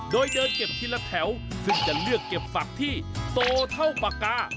โดยเดินเก็บทีละแถวซึ่งจะเลือกเก็บฝักที่โตเท่าปากกา